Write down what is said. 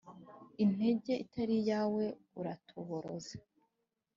Intenge itari iyawe, uratoboroza.